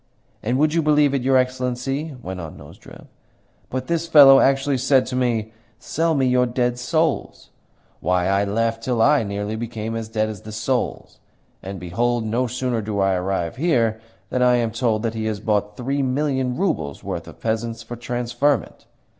"And, would you believe it, your Excellency," went on Nozdrev, "but this fellow actually said to me, 'Sell me your dead souls!' Why, I laughed till I nearly became as dead as the souls. And, behold, no sooner do I arrive here than I am told that he has bought three million roubles' worth of peasants for transferment!